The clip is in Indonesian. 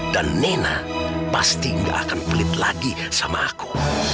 dan nena pasti gak akan belit lagi sama aku